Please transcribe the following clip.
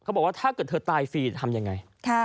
บอกว่าถ้าเกิดเธอตายฟรีจะทำยังไง